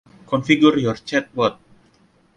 Configure your chat bot.